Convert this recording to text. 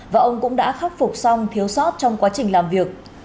và ông cũng đã khắc phục xong thiếu sót trong quá trình làm việc